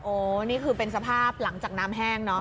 นี่คือเป็นสภาพหลังจากน้ำแห้งเนาะ